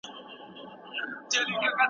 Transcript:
په دې جګړه کي انګریزانو سختې ماتې وخوړې.